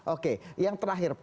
oke yang terakhir